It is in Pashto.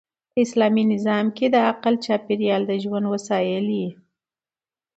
په اسلامي نظام کښي د عقل چاپېریال د ژوند وسایل يي.